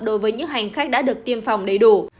đối với những hành khách đã được tiêm phòng đầy đủ